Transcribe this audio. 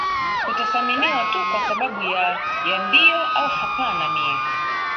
kutosaminiwa tu kwa sababu ya ya ndiyo au hapana mie